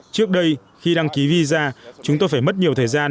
trước đây khi đăng ký visa chúng tôi phải mất nhiều thời gian